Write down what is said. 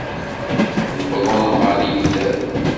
Tewwḍem ɣer yider.